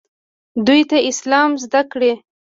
دوی ته اسلام زده کړئ